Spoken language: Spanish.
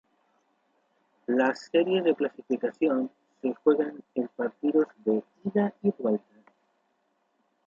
Las series de clasificación se juegan en partidos de ida y vuelta.